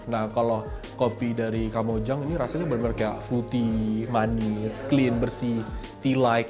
nah kalau kopi dari kammojang ini rasanya benar benar kayak fruity manis clean bersih tea like